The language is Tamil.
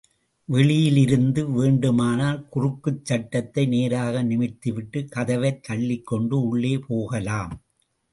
வெளியிலிருந்து வேண்டுமானால் குறுக்குச் சட்டத்தை நேராக நிமிர்த்திவிட்டுக் கதவைத் தள்ளிக்கொண்டு உள்ளே போகலாம்.